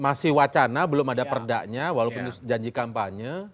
masih wacana belum ada perdanya walaupun janji kampanye